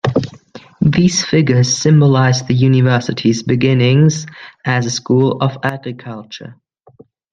These figures symbolized the university's beginnings as a school of agriculture.